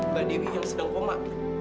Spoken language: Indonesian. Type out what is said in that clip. mbak dewi yang sedang koma